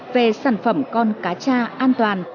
về sản phẩm con cacha an toàn